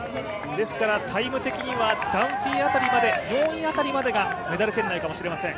タイム的にはダンフィー辺りまで、４位辺りまでがメダル圏内かもしれません。